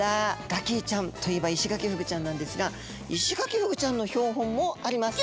ガキィちゃんといえばイシガキフグちゃんなんですがイシガキフグちゃんの標本もあります。